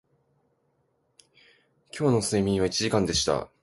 今日の睡眠は一時間でした